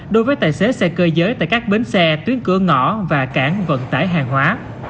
đối với tài xế xe cơ giới tại các bến xe tuyến cửa ngõ và cảng vận tải hàng hóa